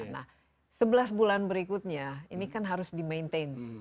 nah sebelas bulan berikutnya ini kan harus di maintain